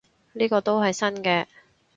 呢個都係新嘅